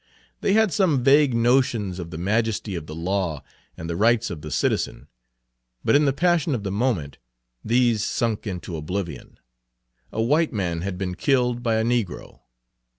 They had some vague notions of the majesty of the law and the rights of the citizen, but in the passion of the moment these sunk into oblivion; a white man had been killed by a negro.